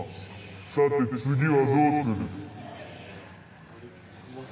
さて次はどうする？